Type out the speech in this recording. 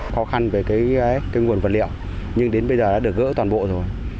khó khăn về cái nguồn vật liệu nhưng đến bây giờ đã được gỡ toàn bộ rồi